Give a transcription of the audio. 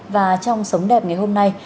và trong sống đẹp ngày hôm nay